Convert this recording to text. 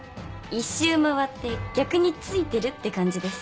一周回って逆についてるって感じです。